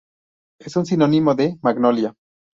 Es un sinónimo de "Magnolia